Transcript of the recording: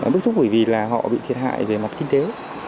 bức xúc bởi vì là họ bị thiệt hại về mặt kinh tế